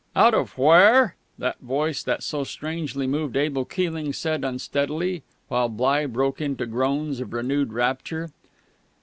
"Out of WHERE?" that voice that so strangely moved Abel Keeling said unsteadily, while Bligh broke into groans of renewed rapture.